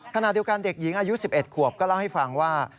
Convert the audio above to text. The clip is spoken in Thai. ขณะเดียวกันเด็กหญิงอายุ๑๑ขวบก็เล่าให้ฟังว่า